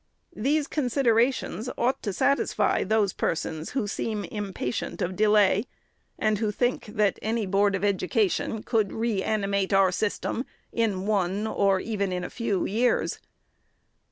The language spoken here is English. These considera tions ought to satisfy those persons who seem impatient of delay, and who think that any Board of Education could re animate our system in one, or even in a few years.